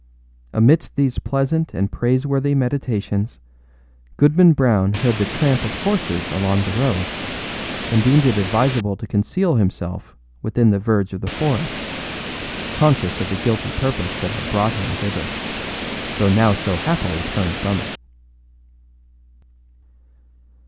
Amidst these pleasant and praiseworthy meditations, Goodman Brown heard the tramp of horses along the road, and deemed it advisable to conceal himself within the verge of the forest, conscious of the guilty purpose that had brought him thither, though now so happily turned from it.